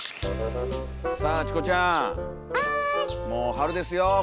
もう春ですよ